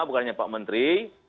bukan hanya pak menteri